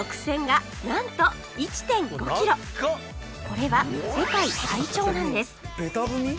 これは世界最長なんです